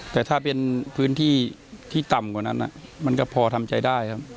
แต่ถ้าเป็นพื้นที่ที่ต่ำกว่านั้นมันก็พอทำใจได้ครับ